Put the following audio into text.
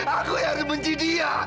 aku yang harus benci dia